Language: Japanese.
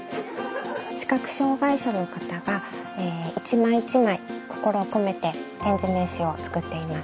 視覚障がい者の方が１枚１枚心を込めて点字名刺を作っています